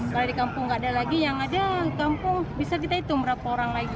kalau di kampung gak ada lagi yang ada kampung bisa kita hitung berapa orang lagi